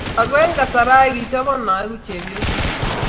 Aku eng kasarai kichobon aeku chepyoso.